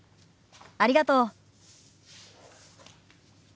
ありがとう。